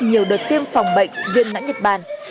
nhiều đợt tiêm phòng bệnh viên lõng nhật bản